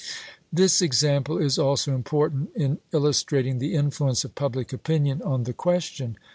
This example is also important in illustrating the influence of public opinion on the question.